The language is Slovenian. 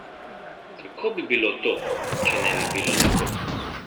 Kako bi bilo to, če ne bi bilo tako?